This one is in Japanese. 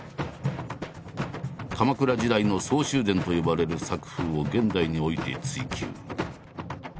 鎌倉時代の「相州伝」と呼ばれる作風を現代において追求。